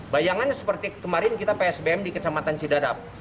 bayangannya seperti kemarin kita psbm di kecamatan cidadap